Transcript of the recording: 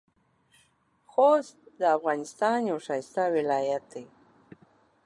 خوست د افغانستان یو ښایسته ولایت دی.